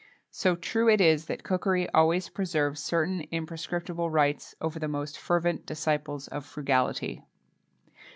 So true it is that cookery always preserves certain imprescriptible rights over the most fervent disciples of frugality.